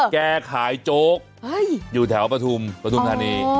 แกขายโจ๊กอยู่แถวประทุมประทุนธานี